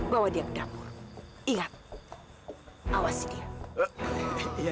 bawa dia ke dapur ingat awas dia